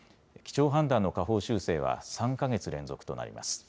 基調判断の下方修正は３か月連続となります。